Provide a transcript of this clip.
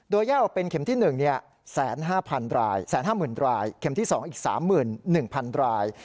โดยแยกออกเป็นเข็มที่๑๕๐๐๐ราย๑๕๐๐๐รายเข็มที่๒อีก๓๑๐๐๐ราย